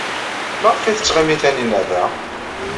Maɣef ay tettɣimi Taninna da?